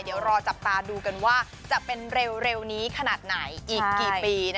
เดี๋ยวรอจับตาดูกันว่าจะเป็นเร็วนี้ขนาดไหนอีกกี่ปี